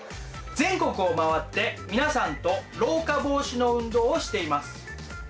全国を回って皆さんと老化防止の運動をしています。